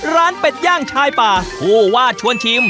ร้านเป็ดย่างชายป่าหัววาดชวนชิม